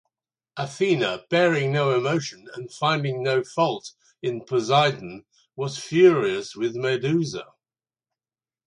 Athena, bearing no emotion and finding no fault in Poseidon, was furious with Medusa.